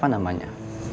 saya lagi mau tanya